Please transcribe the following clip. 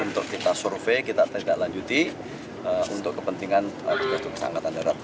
untuk kita survei kita tindak lanjuti untuk kepentingan petugas angkatan darat